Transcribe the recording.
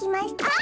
あ！